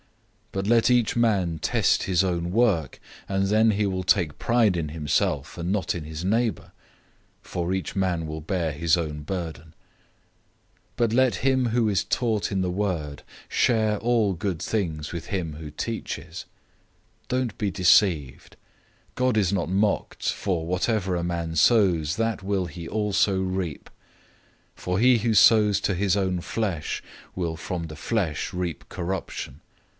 006:004 But let each man test his own work, and then he will take pride in himself and not in his neighbor. 006:005 For each man will bear his own burden. 006:006 But let him who is taught in the word share all good things with him who teaches. 006:007 Don't be deceived. God is not mocked, for whatever a man sows, that he will also reap. 006:008 For he who sows to his own flesh will from the flesh reap corruption.